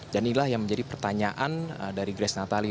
dan inilah yang menjadi pertanyaan dari grace natali